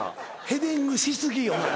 ヘディングし過ぎお前。